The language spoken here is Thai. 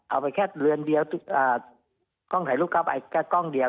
เอาไปแค่เรือนเดียวกล้องถ่ายรูปครับแค่กล้องเดียว